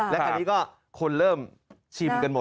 และทีนี้ก็คนเริ่มชิมกันหมดเลย